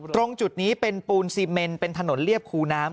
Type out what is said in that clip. ตรงจุดนี้เป็นปูนซีเมนเป็นถนนเรียบคูน้ำ